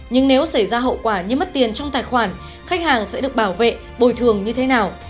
nhưng nếu xảy ra hậu quả như mất tiền trong tài khoản khách hàng sẽ được bảo vệ bồi thường như thế nào